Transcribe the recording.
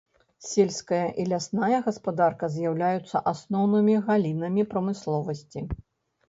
Сельская і лясная гаспадарка з'яўляюцца асноўнымі галінамі прамысловасці.